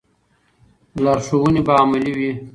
لارښوونې به عملي وي.